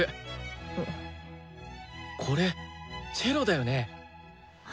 これチェロだよね？